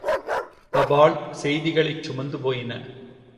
தபால் செய்திகளைச் சுமந்து போயின.